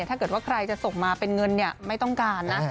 ถ้าเกิดว่าใครจะส่งมาเป็นเงินไม่ต้องการนะ